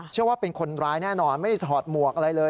เชื่อว่าเป็นคนร้ายแน่นอนไม่ถอดหมวกอะไรเลย